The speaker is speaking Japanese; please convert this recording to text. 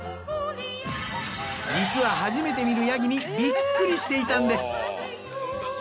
実は初めて見るヤギにビックリしていたんです。